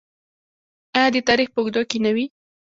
آیا د تاریخ په اوږدو کې نه وي؟